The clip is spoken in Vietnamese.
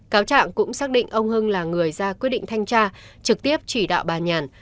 cáo trạng cũng xác định ông hưng là người ra quyết định thanh tra trực tiếp chỉ đạo bà nhàn